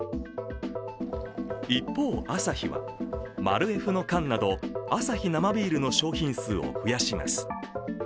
一方、アサヒはマルエフの缶などアサヒ生ビールの商品数を増やします。